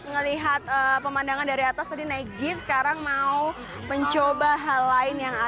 ngelihat pemandangan dari atas tadi naik jeep sekarang mau mencoba hal lain yang